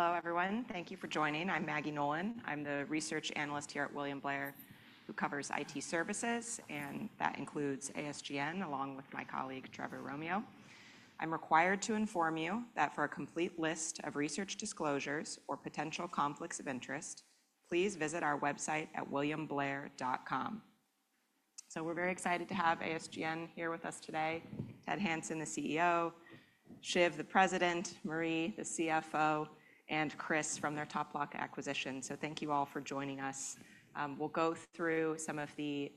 Hello, everyone. Thank you for joining. I'm Maggie Nolan. I'm the research analyst here at William Blair, who covers IT services, and that includes ASGN, along with my colleague, Trevor Romeo. I'm required to inform you that for a complete list of research disclosures or potential conflicts of interest, please visit our website at williamblair.com. We are very excited to have ASGN here with us today: Ted Hanson, the CEO; Shiv, the President; Marie, the CFO; and Chris from their TopBloc acquisition. Thank you all for joining us. We'll go through some of the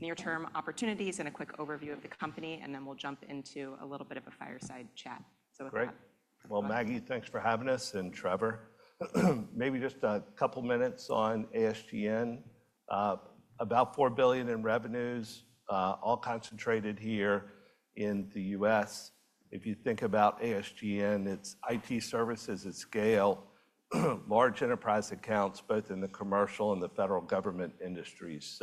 near-term opportunities and a quick overview of the company, and then we'll jump into a little bit of a fireside chat. Great. Maggie, thanks for having us, and Trevor. Maybe just a couple of minutes on ASGN. About $4 billion in revenues, all concentrated here in the U.S. If you think about ASGN, it's IT services at scale, large enterprise accounts, both in the commercial and the federal government industries.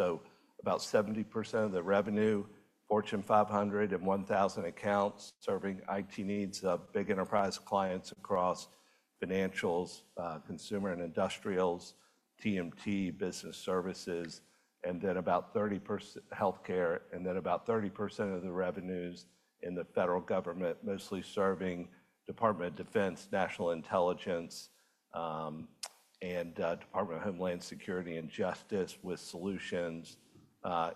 About 70% of the revenue, Fortune 500 and 1,000 accounts serving IT needs of big enterprise clients across financials, consumer and industrials, TMT, business services, and then about 30% healthcare, and then about 30% of the revenues in the federal government, mostly serving Department of Defense, National Intelligence, and Department of Homeland Security and Justice with solutions of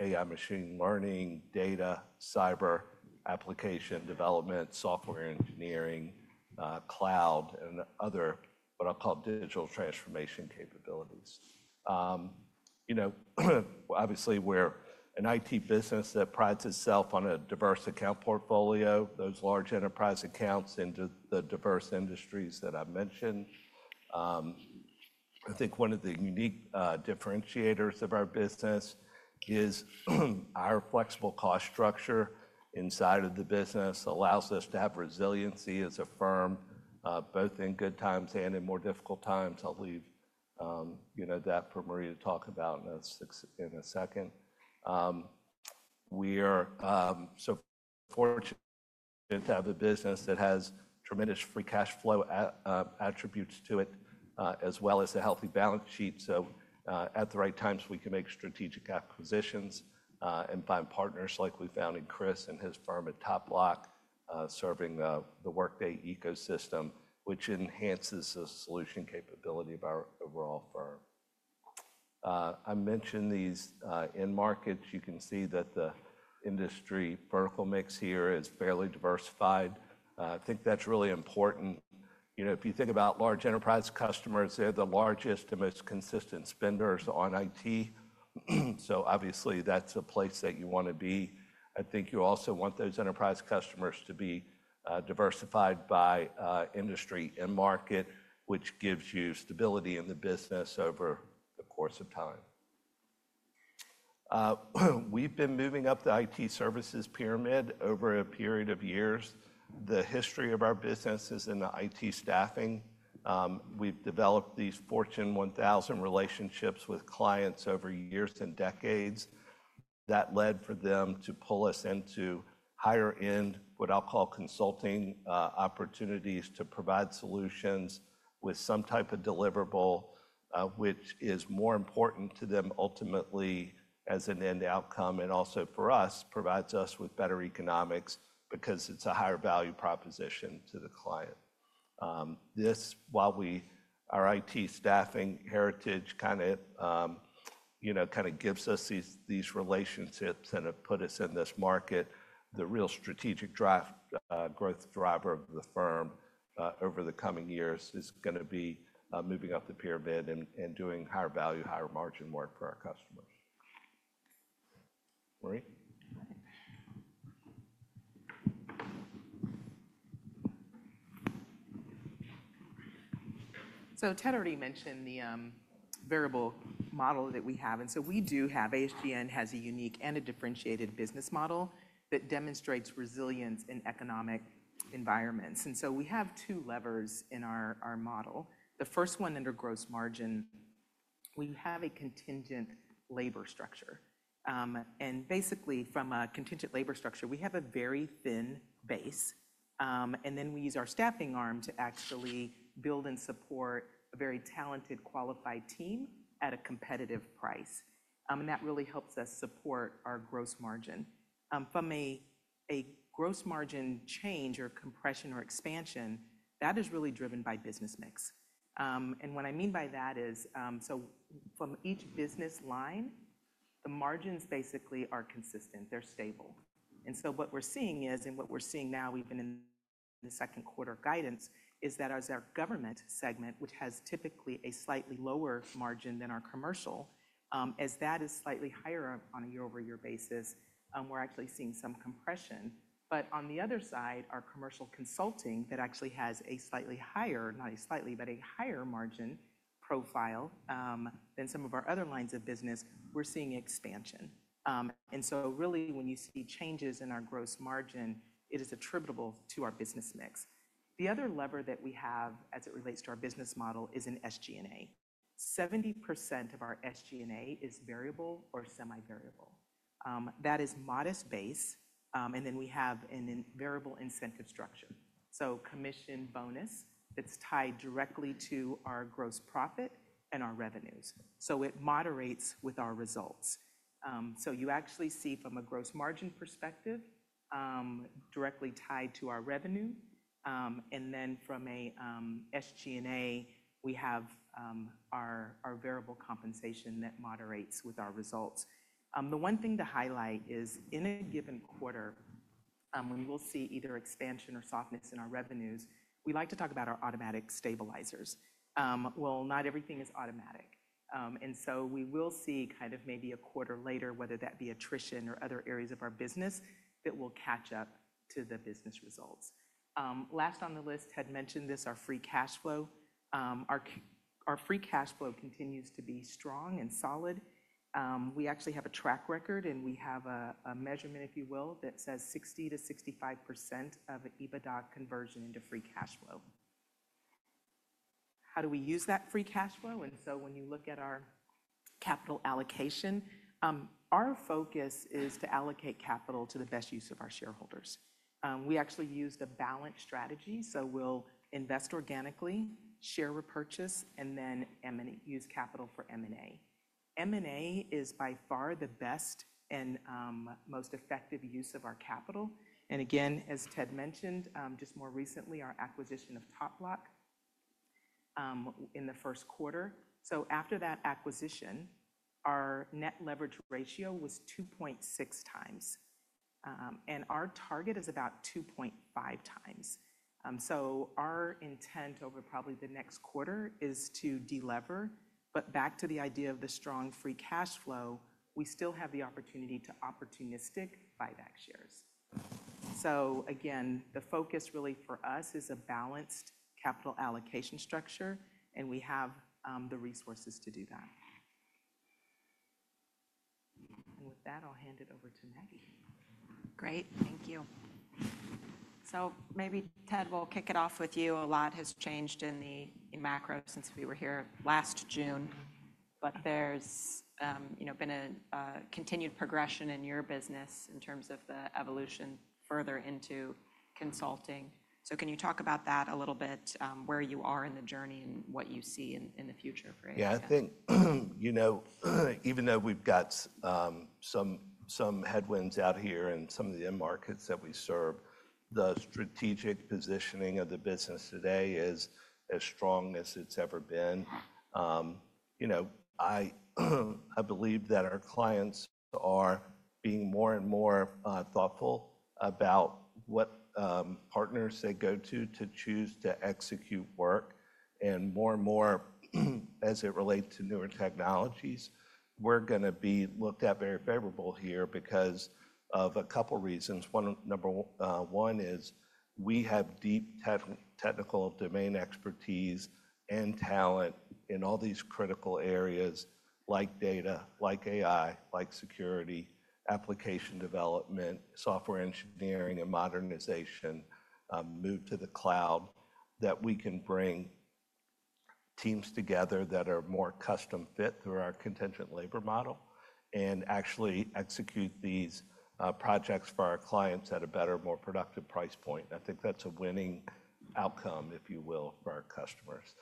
AI, machine learning, data, cyber, application development, software engineering, cloud, and other what I'll call digital transformation capabilities. You know, obviously, we're an IT business that prides itself on a diverse account portfolio, those large enterprise accounts into the diverse industries that I've mentioned. I think one of the unique differentiators of our business is our flexible cost structure inside of the business allows us to have resiliency as a firm, both in good times and in more difficult times. I'll leave that for Marie to talk about in a second. We are so fortunate to have a business that has tremendous free cash flow attributes to it, as well as a healthy balance sheet. At the right times, we can make strategic acquisitions and find partners like we found in Chris and his firm at TopBloc serving the Workday ecosystem, which enhances the solution capability of our overall firm. I mentioned these end markets. You can see that the industry vertical mix here is fairly diversified. I think that's really important. You know, if you think about large enterprise customers, they're the largest and most consistent spenders on IT. Obviously, that's a place that you want to be. I think you also want those enterprise customers to be diversified by industry and market, which gives you stability in the business over the course of time. We've been moving up the IT services pyramid over a period of years. The history of our business is in IT staffing. We've developed these Fortune 1000 relationships with clients over years and decades that led for them to pull us into higher-end, what I'll call consulting opportunities to provide solutions with some type of deliverable, which is more important to them ultimately as an end outcome and also for us, provides us with better economics because it's a higher value proposition to the client. This, while our IT staffing heritage kind of, you know, kind of gives us these relationships and have put us in this market, the real strategic growth driver of the firm over the coming years is going to be moving up the pyramid and doing higher value, higher margin work for our customers. Marie? Ted already mentioned the variable model that we have. We do have ASGN has a unique and a differentiated business model that demonstrates resilience in economic environments. We have two levers in our model. The first one, under gross margin, we have a contingent labor structure. Basically, from a contingent labor structure, we have a very thin base, and then we use our staffing arm to actually build and support a very talented, qualified team at a competitive price. That really helps us support our gross margin. From a gross margin change or compression or expansion, that is really driven by business mix. What I mean by that is, from each business line, the margins basically are consistent. They're stable. What we're seeing now, even in the second quarter guidance, is that as our government segment, which has typically a slightly lower margin than our commercial, as that is slightly higher on a year-over-year basis, we're actually seeing some compression. On the other side, our commercial consulting that actually has a slightly higher, not a slightly, but a higher margin profile than some of our other lines of business, we're seeing expansion. Really, when you see changes in our gross margin, it is attributable to our business mix. The other lever that we have as it relates to our business model is in SG&A. 70% of our SG&A is variable or semi-variable. That is modest base, and then we have a variable incentive structure. So commission bonus that's tied directly to our gross profit and our revenues. It moderates with our results. You actually see from a gross margin perspective directly tied to our revenue. From an SG&A, we have our variable compensation that moderates with our results. The one thing to highlight is in a given quarter, when we will see either expansion or softness in our revenues, we like to talk about our automatic stabilizers. Not everything is automatic. We will see kind of maybe a quarter later, whether that be attrition or other areas of our business, that will catch up to the business results. Last on the list, Ted mentioned this, our free cash flow. Our free cash flow continues to be strong and solid. We actually have a track record, and we have a measurement, if you will, that says 60%-65% of EBITDA conversion into free cash flow. How do we use that free cash flow? When you look at our capital allocation, our focus is to allocate capital to the best use of our shareholders. We actually use a balanced strategy. We will invest organically, share repurchase, and then use capital for M&A. M&A is by far the best and most effective use of our capital. As Ted mentioned, just more recently, our acquisition of TopBloc in the first quarter. After that acquisition, our net leverage ratio was 2.6x. Our target is about 2.5x. Our intent over probably the next quarter is to delever. Back to the idea of the strong free cash flow, we still have the opportunity to opportunistic buyback shares. The focus really for us is a balanced capital allocation structure, and we have the resources to do that. With that, I'll hand it over to Maggie. Great. Thank you. Maybe Ted, we'll kick it off with you. A lot has changed in the macro since we were here last June, but there's been a continued progression in your business in terms of the evolution further into consulting. Can you talk about that a little bit, where you are in the journey and what you see in the future for ASGN? Yeah, I think, you know, even though we've got some headwinds out here in some of the end markets that we serve, the strategic positioning of the business today is as strong as it's ever been. You know, I believe that our clients are being more and more thoughtful about what partners they go to to choose to execute work. And more and more, as it relates to newer technologies, we're going to be looked at very favorably here because of a couple of reasons. Number one is we have deep technical domain expertise and talent in all these critical areas like data, like AI, like security, application development, software engineering, and modernization move to the cloud that we can bring teams together that are more custom fit through our contingent labor model and actually execute these projects for our clients at a better, more productive price point. I think that's a winning outcome, if you will, for our customers.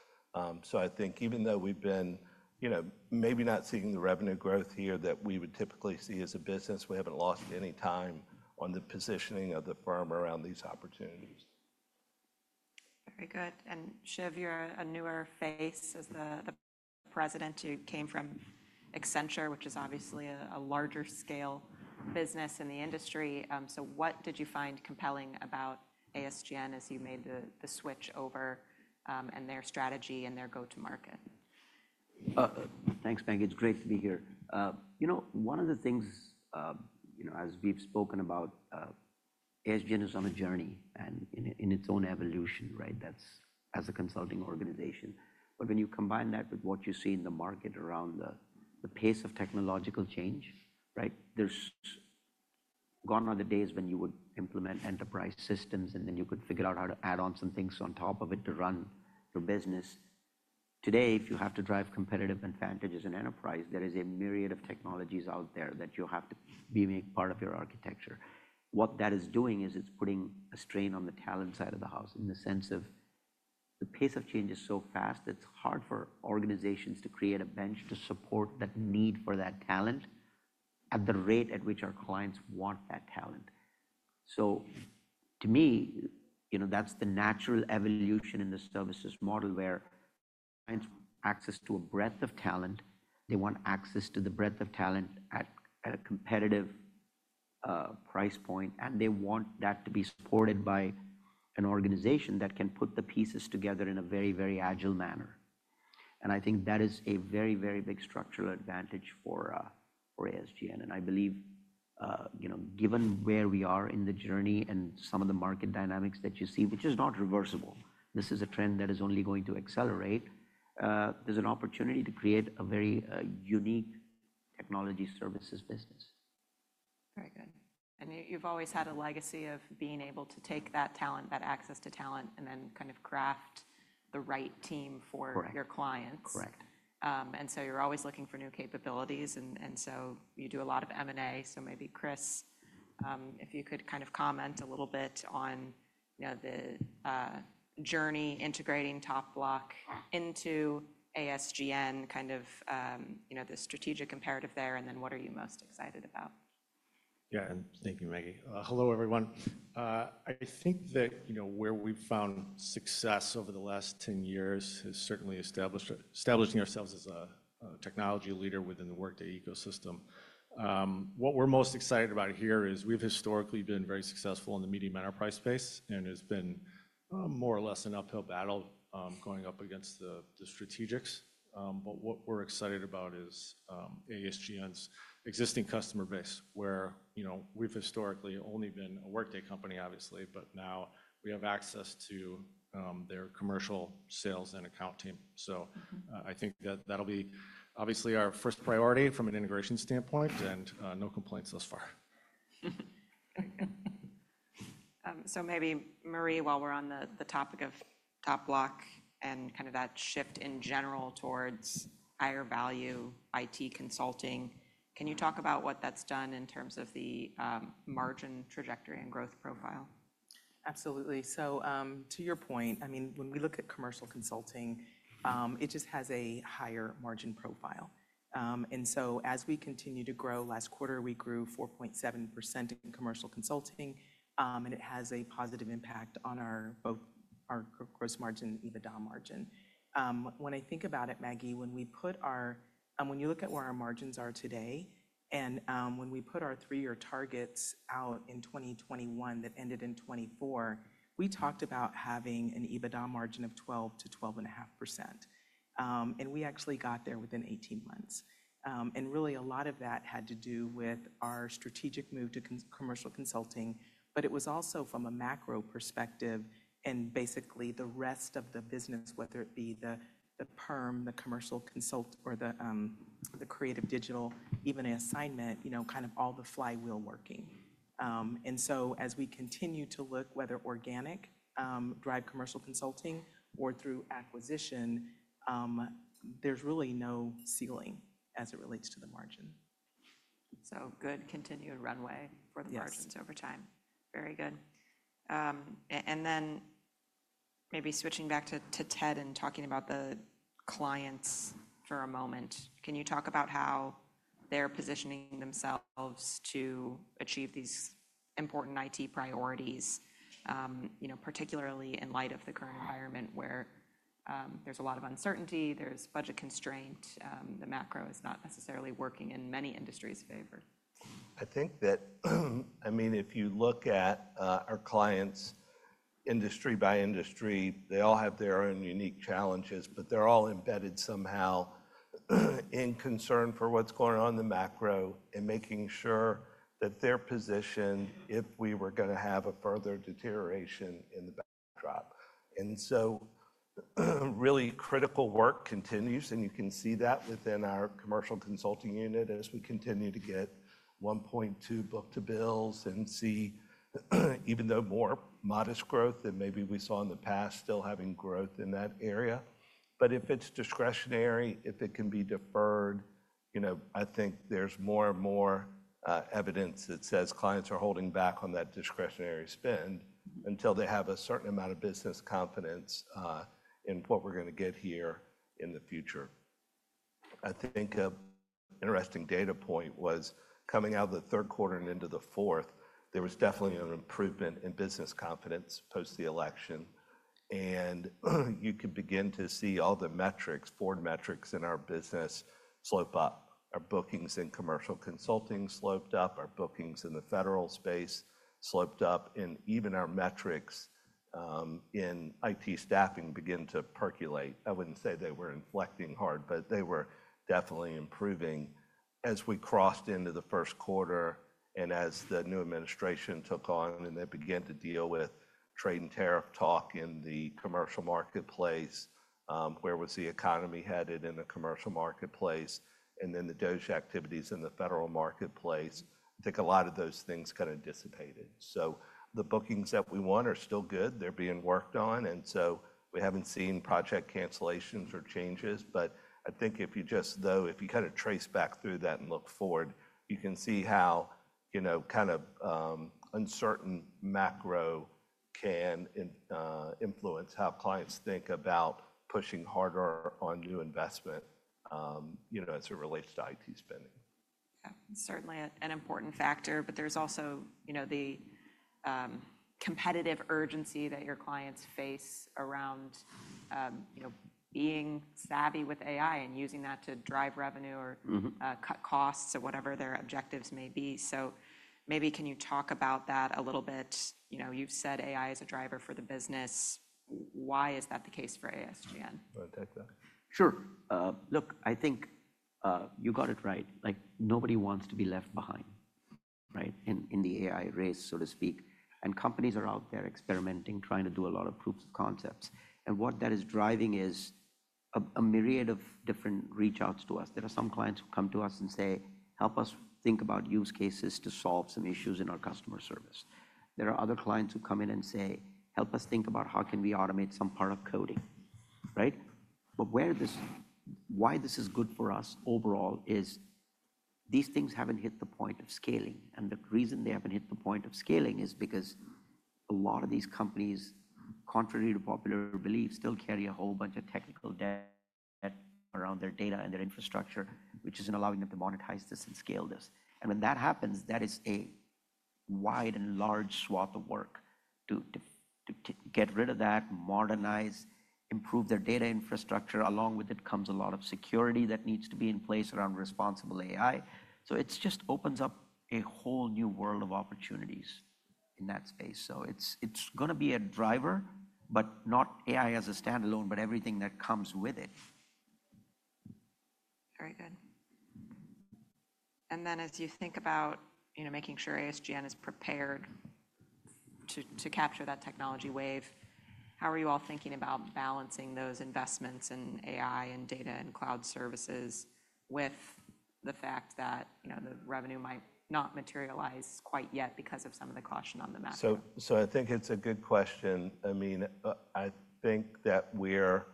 I think even though we've been, you know, maybe not seeing the revenue growth here that we would typically see as a business, we haven't lost any time on the positioning of the firm around these opportunities. Very good. Shiv, you're a newer face as the President. You came from Accenture, which is obviously a larger scale business in the industry. What did you find compelling about ASGN as you made the switch over and their strategy and their go-to-market? Thanks, Maggie. It's great to be here. You know, one of the things, you know, as we've spoken about, ASGN is on a journey and in its own evolution, right, as a consulting organization. But when you combine that with what you see in the market around the pace of technological change, right, gone are the days when you would implement enterprise systems and then you could figure out how to add on some things on top of it to run your business. Today, if you have to drive competitive advantages in enterprise, there is a myriad of technologies out there that you have to be part of your architecture. What that is doing is it's putting a strain on the talent side of the house in the sense of the pace of change is so fast that it's hard for organizations to create a bench to support that need for that talent at the rate at which our clients want that talent. To me, you know, that's the natural evolution in the services model where clients want access to a breadth of talent. They want access to the breadth of talent at a competitive price point, and they want that to be supported by an organization that can put the pieces together in a very, very agile manner. I think that is a very, very big structural advantage for ASGN. I believe, you know, given where we are in the journey and some of the market dynamics that you see, which is not reversible, this is a trend that is only going to accelerate. There is an opportunity to create a very unique technology services business. Very good. You have always had a legacy of being able to take that talent, that access to talent, and then kind of craft the right team for your clients. Correct. You're always looking for new capabilities. You do a lot of M&A. Maybe Chris, if you could kind of comment a little bit on the journey integrating TopBloc into ASGN, kind of the strategic imperative there, and then what are you most excited about? Yeah, and thank you, Maggie. Hello, everyone. I think that where we've found success over the last 10 years is certainly establishing ourselves as a technology leader within the Workday ecosystem. What we're most excited about here is we've historically been very successful in the medium enterprise space, and it's been more or less an uphill battle going up against the strategics. What we're excited about is ASGN's existing customer base, where we've historically only been a Workday company, obviously, but now we have access to their commercial sales and account team. I think that that'll be obviously our first priority from an integration standpoint, and no complaints thus far. Maybe Marie, while we're on the topic of TopBloc and kind of that shift in general towards higher value IT consulting, can you talk about what that's done in terms of the margin trajectory and growth profile? Absolutely. To your point, I mean, when we look at commercial consulting, it just has a higher margin profile. As we continue to grow, last quarter we grew 4.7% in commercial consulting, and it has a positive impact on both our gross margin and EBITDA margin. When I think about it, Maggie, when we put our, when you look at where our margins are today, and when we put our three-year targets out in 2021 that ended in 2024, we talked about having an EBITDA margin of 12%-12.5%. We actually got there within 18 months. Really, a lot of that had to do with our strategic move to commercial consulting, but it was also from a macro perspective and basically the rest of the business, whether it be the perm, the commercial consult, or the creative digital, even an assignment, you know, kind of all the flywheel working. As we continue to look whether organic drive commercial consulting or through acquisition, there is really no ceiling as it relates to the margin. Good continued runway for the margins over time. Very good. Maybe switching back to Ted and talking about the clients for a moment, can you talk about how they're positioning themselves to achieve these important IT priorities, particularly in light of the current environment where there's a lot of uncertainty, there's budget constraint, the macro is not necessarily working in many industries' favor? I think that, I mean, if you look at our clients, industry by industry, they all have their own unique challenges, but they're all embedded somehow in concern for what's going on in the macro and making sure that they're positioned if we were going to have a further deterioration in the backdrop. Really critical work continues, and you can see that within our commercial consulting unit as we continue to get 1.2 book to bills and see even though more modest growth than maybe we saw in the past, still having growth in that area. If it's discretionary, if it can be deferred, you know, I think there's more and more evidence that says clients are holding back on that discretionary spend until they have a certain amount of business confidence in what we're going to get here in the future. I think an interesting data point was coming out of the third quarter and into the fourth, there was definitely an improvement in business confidence post the election. You could begin to see all the metrics, forward metrics in our business slope up. Our bookings in commercial consulting sloped up, our bookings in the federal space sloped up, and even our metrics in IT staffing began to percolate. I would not say they were inflecting hard, but they were definitely improving as we crossed into the first quarter and as the new administration took on and they began to deal with trade and tariff talk in the commercial marketplace, where was the economy headed in the commercial marketplace, and then the DoD activities in the federal marketplace. I think a lot of those things kind of dissipated. The bookings that we want are still good. They are being worked on. We have not seen project cancellations or changes. I think if you just, though, if you kind of trace back through that and look forward, you can see how, you know, kind of uncertain macro can influence how clients think about pushing harder on new investment, you know, as it relates to IT spending. Certainly an important factor, but there's also, you know, the competitive urgency that your clients face around being savvy with AI and using that to drive revenue or cut costs or whatever their objectives may be. Maybe can you talk about that a little bit? You know, you've said AI is a driver for the business. Why is that the case for ASGN? Sure. Look, I think you got it right. Like nobody wants to be left behind, right, in the AI race, so to speak. Companies are out there experimenting, trying to do a lot of proofs of concepts. What that is driving is a myriad of different reach-outs to us. There are some clients who come to us and say, "Help us think about use cases to solve some issues in our customer service." There are other clients who come in and say, "Help us think about how can we automate some part of coding," right? Where this, why this is good for us overall is these things have not hit the point of scaling. The reason they have not hit the point of scaling is because a lot of these companies, contrary to popular belief, still carry a whole bunch of technical debt around their data and their infrastructure, which is not allowing them to monetize this and scale this. When that happens, that is a wide and large swath of work to get rid of that, modernize, improve their data infrastructure. Along with it comes a lot of security that needs to be in place around responsible AI. It just opens up a whole new world of opportunities in that space. It is going to be a driver, but not AI as a standalone, but everything that comes with it. Very good. As you think about making sure ASGN is prepared to capture that technology wave, how are you all thinking about balancing those investments in AI and data and cloud services with the fact that the revenue might not materialize quite yet because of some of the caution on the macro? I think it's a good question. I mean, I think that we're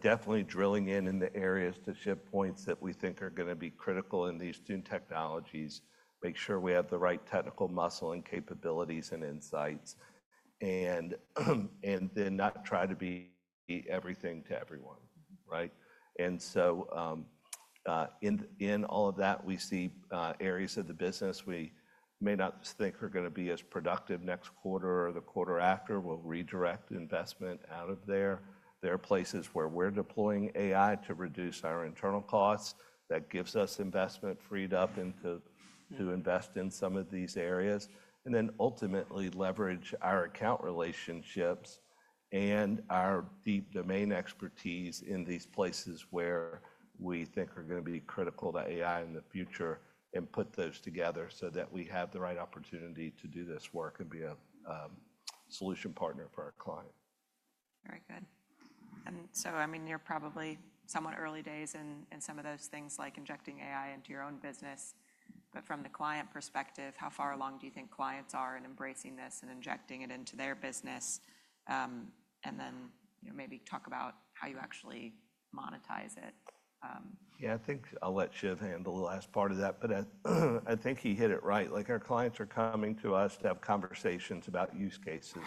definitely drilling in in the areas to Shiv's points that we think are going to be critical in these new technologies, make sure we have the right technical muscle and capabilities and insights, and then not try to be everything to everyone, right? In all of that, we see areas of the business we may not think are going to be as productive next quarter or the quarter after, we'll redirect investment out of there. There are places where we're deploying AI to reduce our internal costs that gives us investment freed up to invest in some of these areas. Ultimately leverage our account relationships and our deep domain expertise in these places where we think are going to be critical to AI in the future and put those together so that we have the right opportunity to do this work and be a solution partner for our client. Very good. I mean, you're probably somewhat early days in some of those things like injecting AI into your own business. From the client perspective, how far along do you think clients are in embracing this and injecting it into their business? Maybe talk about how you actually monetize it. Yeah, I think I'll let Shiv handle the last part of that, but I think he hit it right. Like our clients are coming to us to have conversations about use cases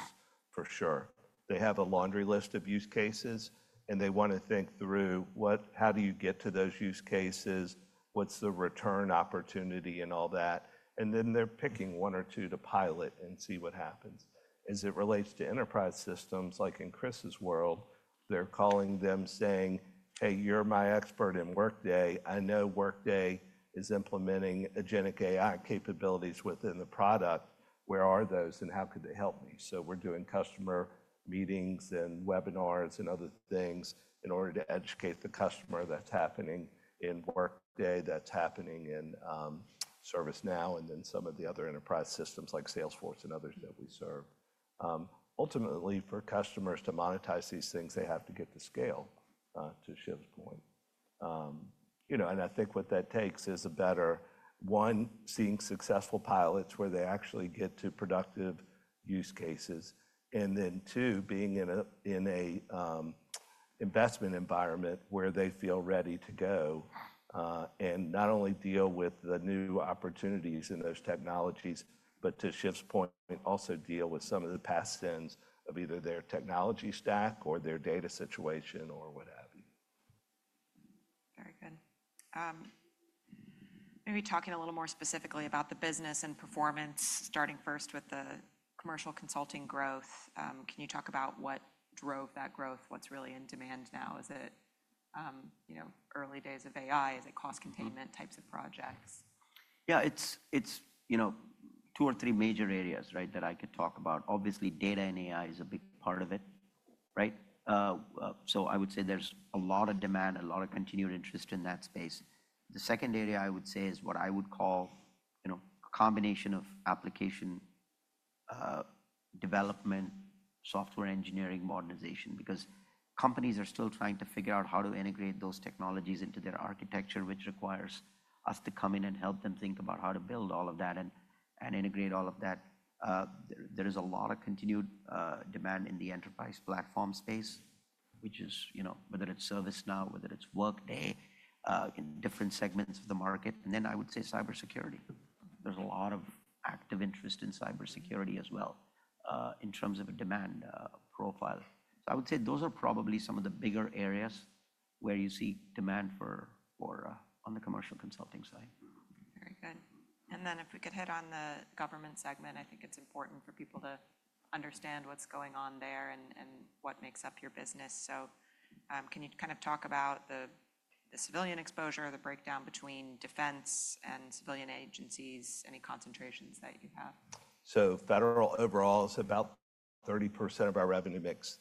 for sure. They have a laundry list of use cases, and they want to think through how do you get to those use cases, what's the return opportunity and all that. They are picking one or two to pilot and see what happens. As it relates to enterprise systems, like in Chris's world, they're calling them saying, "Hey, you're my expert in Workday. I know Workday is implementing agentic AI capabilities within the product. Where are those and how could they help me?" We are doing customer meetings and webinars and other things in order to educate the customer. That is happening in Workday, that is happening in ServiceNow, and then some of the other enterprise systems like Salesforce and others that we serve. Ultimately, for customers to monetize these things, they have to get to scale, to Shiv's point. You know, and I think what that takes is a better, one, seeing successful pilots where they actually get to productive use cases, and then two, being in an investment environment where they feel ready to go and not only deal with the new opportunities in those technologies, but to Shiv's point, also deal with some of the past sins of either their technology stack or their data situation or what have you. Very good. Maybe talking a little more specifically about the business and performance, starting first with the commercial consulting growth. Can you talk about what drove that growth? What's really in demand now? Is it early days of AI? Is it cost containment types of projects? Yeah, it's two or three major areas, right, that I could talk about. Obviously, data and AI is a big part of it, right? I would say there's a lot of demand, a lot of continued interest in that space. The second area I would say is what I would call a combination of application development, software engineering, modernization, because companies are still trying to figure out how to integrate those technologies into their architecture, which requires us to come in and help them think about how to build all of that and integrate all of that. There is a lot of continued demand in the enterprise platform space, which is, you know, whether it's ServiceNow, whether it's Workday in different segments of the market. I would say cybersecurity. There's a lot of active interest in cybersecurity as well in terms of a demand profile. I would say those are probably some of the bigger areas where you see demand for on the commercial consulting side. Very good. If we could hit on the government segment, I think it's important for people to understand what's going on there and what makes up your business. Can you kind of talk about the civilian exposure, the breakdown between defense and civilian agencies, any concentrations that you have? Federal overall is about 30% of our revenue mix.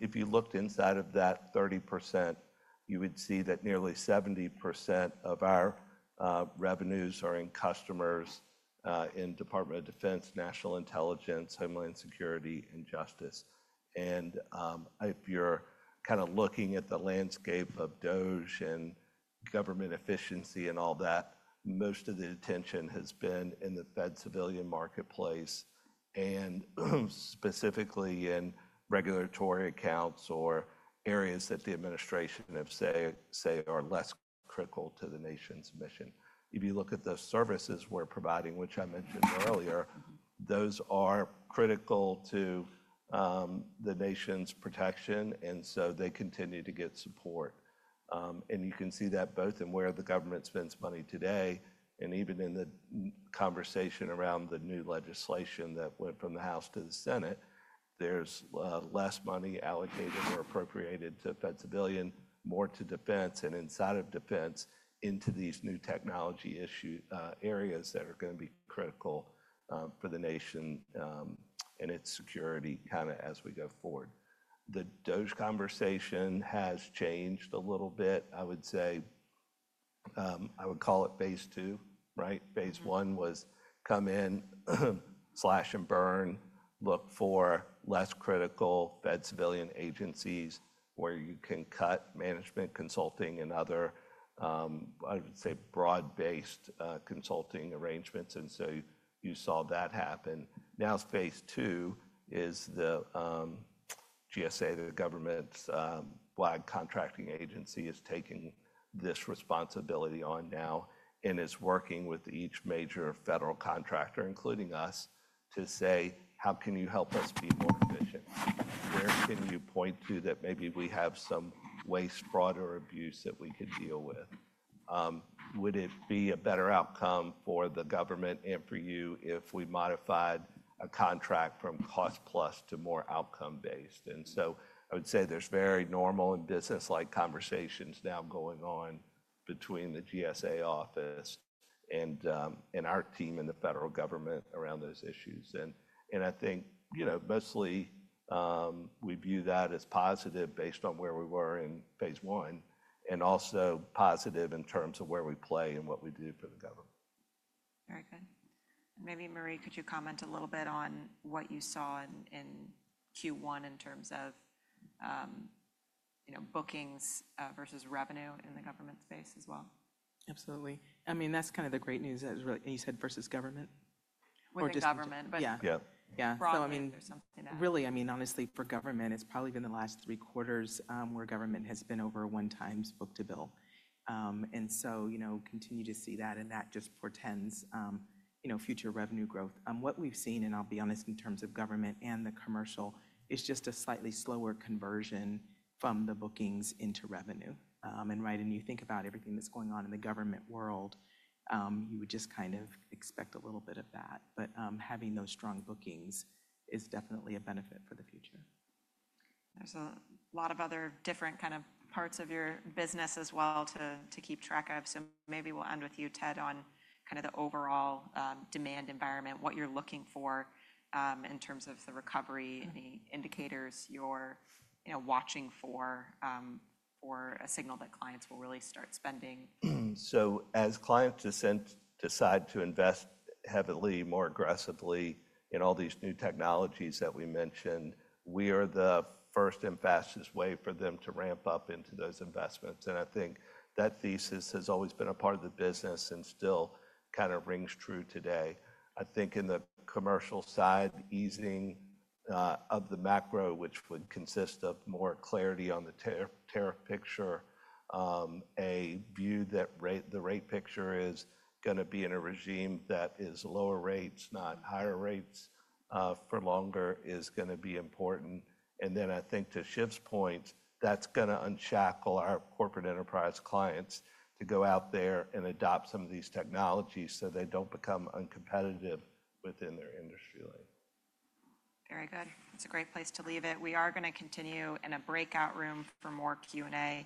If you looked inside of that 30%, you would see that nearly 70% of our revenues are in customers in Department of Defense, National Intelligence, Homeland Security, and Justice. If you're kind of looking at the landscape of DoD and government efficiency and all that, most of the attention has been in the Fed civilian marketplace and specifically in regulatory accounts or areas that the administration would say are less critical to the nation's mission. If you look at the services we're providing, which I mentioned earlier, those are critical to the nation's protection, and so they continue to get support. You can see that both in where the government spends money today and even in the conversation around the new legislation that went from the House to the Senate, there is less money allocated or appropriated to Fed civilian, more to defense and inside of defense into these new technology areas that are going to be critical for the nation and its security as we go forward. The DoD conversation has changed a little bit. I would say I would call it phase II, right? Phase I was come in, slash and burn, look for less critical Fed civilian agencies where you can cut management consulting and other, I would say, broad-based consulting arrangements. You saw that happen. Now phase II is the GSA, the government's flag contracting agency is taking this responsibility on now and is working with each major federal contractor, including us, to say, "How can you help us be more efficient? Where can you point to that maybe we have some waste, fraud, or abuse that we could deal with? Would it be a better outcome for the government and for you if we modified a contract from cost plus to more outcome-based?" I would say there are very normal and business-like conversations now going on between the GSA office and our team in the federal government around those issues. I think, you know, mostly we view that as positive based on where we were in phase I and also positive in terms of where we play and what we do for the government. Very good. Maybe Marie, could you comment a little bit on what you saw in Q1 in terms of bookings versus revenue in the government space as well? Absolutely. I mean, that's kind of the great news that you said versus government. Within government, but yeah. Yeah. So I mean, really, I mean, honestly, for government, it has probably been the last three quarters where government has been over one time's book to bill. And so, you know, continue to see that and that just portends, you know, future revenue growth. What we have seen, and I'll be honest, in terms of government and the commercial, is just a slightly slower conversion from the bookings into revenue. And, right, you think about everything that is going on in the government world, you would just kind of expect a little bit of that. But having those strong bookings is definitely a benefit for the future. There's a lot of other different kind of parts of your business as well to keep track of. Maybe we'll end with you, Ted, on kind of the overall demand environment, what you're looking for in terms of the recovery, any indicators you're watching for for a signal that clients will really start spending. As clients decide to invest heavily, more aggressively in all these new technologies that we mentioned, we are the first and fastest way for them to ramp up into those investments. I think that thesis has always been a part of the business and still kind of rings true today. I think in the commercial side, easing of the macro, which would consist of more clarity on the tariff picture, a view that the rate picture is going to be in a regime that is lower rates, not higher rates for longer, is going to be important. I think to Shiv's point, that's going to unshackle our corporate enterprise clients to go out there and adopt some of these technologies so they do not become uncompetitive within their industry. Very good. That's a great place to leave it. We are going to continue in a breakout room for more Q&A.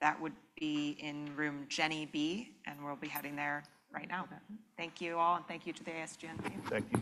That would be in room Jenny B, and we'll be heading there right now. Thank you all, and thank you to the ASGN team. Thank you.